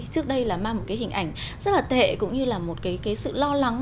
trước đây là mang một cái hình ảnh rất là tệ cũng như là một cái sự lo lắng